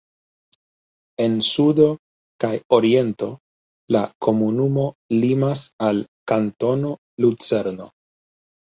En sudo kaj oriento la komunumo limas al Kantono Lucerno.